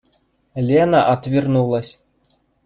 Лена отвернулась.